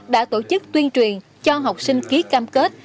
đã tổ chức tuyên truyền cho học sinh ký cam kết